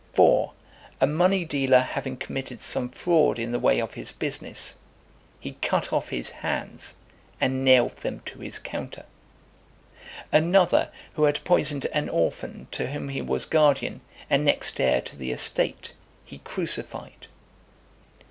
For, a money dealer having committed some fraud in the way of his business, he cut off his hands, and nailed them to his counter. Another, who had poisoned an orphan, to whom he was guardian, and next heir to the estate, he crucified.